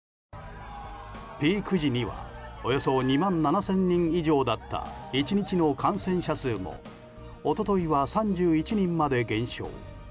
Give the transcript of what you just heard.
ピーク時にはおよそ２万７０００人以上だった１日の感染者数も一昨日は３１人まで減少。